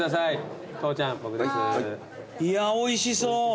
いやおいしそう！